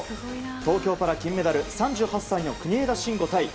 東京パラ金メダル３８歳の国枝慎吾対